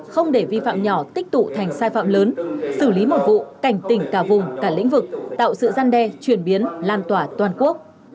không để vi phạm nhỏ tích tụ thành sai phạm lớn xử lý một vụ cảnh tỉnh cả vùng cả lĩnh vực tạo sự gian đe chuyển biến lan tỏa toàn quốc